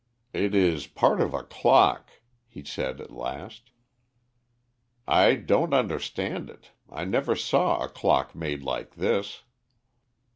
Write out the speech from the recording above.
"It is part of a clock," he said at last. "I don't understand it. I never saw a clock made like this."